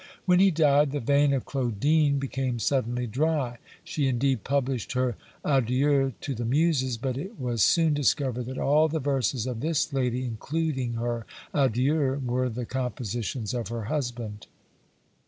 When he died, the vein of Claudine became suddenly dry. She indeed published her "Adieux to the Muses;" but it was soon discovered that all the verses of this lady, including her "Adieux," were the compositions of her husband.